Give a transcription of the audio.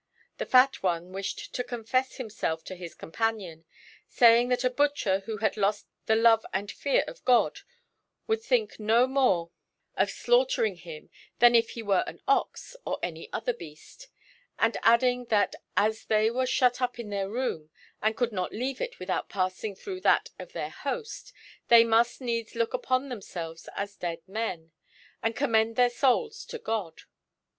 The fat one wished to confess himself to his companion, saying that a butcher who had lost the love and fear of God would think no more of slaughtering him than if he were an ox or any other beast; and adding that as they were shut up in their room and could not leave it without passing through that of their host, they must needs look upon themselves as dead men, and commend their souls to God.